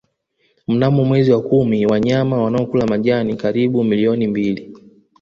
Mnamo mwezi wa kumi wanyama wanaokula majani karibu milioni mbili